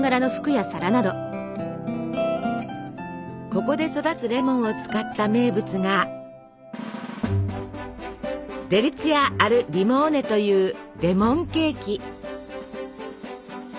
ここで育つレモンを使った名物が「デリツィアアルリモーネ」というレモンケーキ。